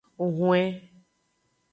Hwen.